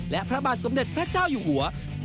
และพระบาทสมเด็จพระเจ้าอยู่หัว